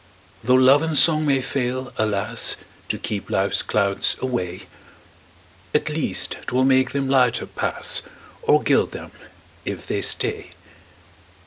Tho' love and song may fail, alas! To keep life's clouds away, At least 'twill make them lighter pass, Or gild them if they stay.